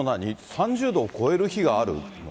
３０度を超える日があるの？